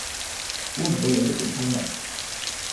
估唔到你都幾聰明